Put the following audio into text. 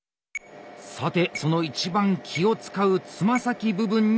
さてその一番気を遣うつま先部分に突入。